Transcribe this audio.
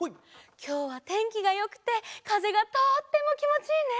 きょうはてんきがよくてかぜがとってもきもちいいね！